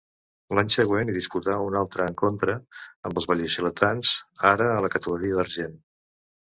L'any següent hi disputa un altre encontre amb els val·lisoletans, ara a la categoria d'argent.